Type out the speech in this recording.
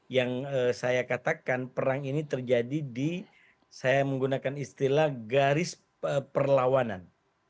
yang saya katakan perang ini terjadi di saya menggunakan istilah garis perlawanan